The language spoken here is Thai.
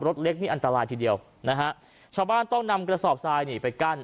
รถเล็กนี่อันตรายทีเดียวนะฮะชาวบ้านต้องนำกระสอบทรายนี่ไปกั้น